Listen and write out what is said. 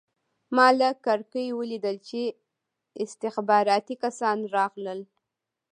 ما له کړکۍ ولیدل چې استخباراتي کسان راغلل